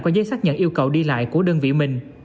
có giấy xác nhận yêu cầu đi lại của đơn vị mình